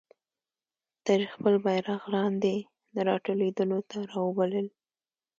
تر خپل بیرغ لاندي را ټولېدلو ته را وبلل.